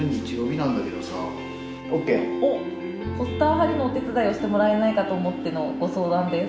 ポスター貼りのお手伝いをしてもらえないかと思ってのご相談です。